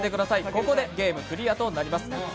ここでゲームクリアとなります。